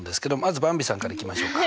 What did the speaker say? ずばんびさんからいきましょうか。